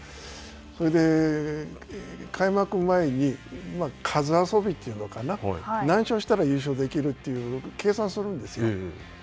それで、開幕前に、数遊びというのかな、何勝したら優勝できるという計算するんですよ。